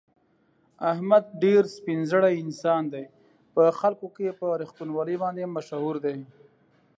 احمد ډېر سپین زړی انسان دی، په خلکو کې په رښتینولي باندې مشهور دی.